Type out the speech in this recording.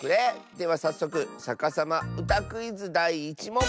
ではさっそく「さかさまうたクイズ」だい１もん。